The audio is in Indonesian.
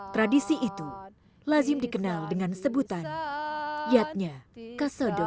tradisi itu lazim dikenal dengan sebutan yatnya kasodo